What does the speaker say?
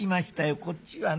こっちはね